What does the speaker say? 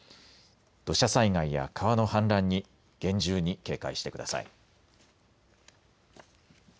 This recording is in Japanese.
土砂災害や川の氾濫に厳重に警戒してください。